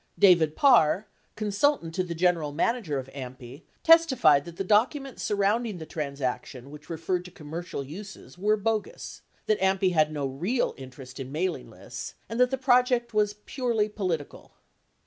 David Parr, consultant to the general manager of AMPI, testified that the documents surrounding the transaction which referred to commercial uses were bogus, that AMPI had no real interest in mailing lists, and that the project was "purely political."